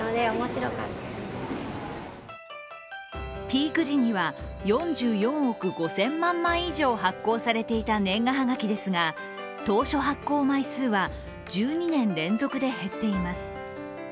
ピーク時には４４億５０００万枚以上発行されていた年賀はがきですが、当初発行枚数は１２年連続で減っています。